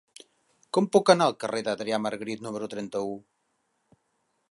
Com puc anar al carrer d'Adrià Margarit número trenta-u?